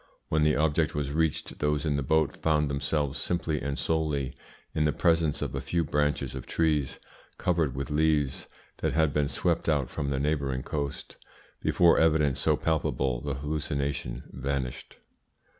When the object was reached those in the boat found themselves simply and solely in the presence of a few branches of trees covered with leaves that had been swept out from the neighbouring coast. Before evidence so palpable the hallucination vanished.